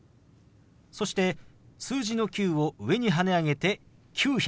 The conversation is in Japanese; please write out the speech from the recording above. そして数字の「９」を上にはね上げて「９００」。